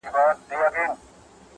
هم یې پښې هم یې لاسونه رېږېدله!.